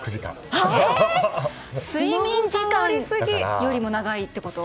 睡眠時間よりも長いってこと？